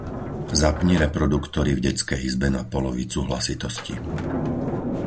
Zapni reproduktory v detskej izbe na polovicu hlasitosti.